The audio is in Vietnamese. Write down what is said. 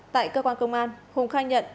tại cơ quan công an hùng khai nhận